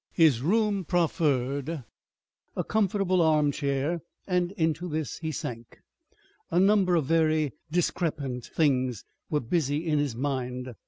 His room proffered a comfortable armchair and into this he sank... A number of very discrepant things were busy in his mind.